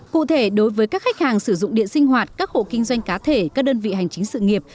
cụ thể đối với các khách hàng sử dụng điện sinh hoạt các hộ kinh doanh cá thể các đơn vị hành chính sự nghiệp